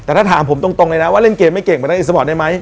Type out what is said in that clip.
แต่ถ้าถามผมตรงเลยนะว่าเล่นเกมไม่เก่งไปนั่งอิสปอร์ตได้ไหม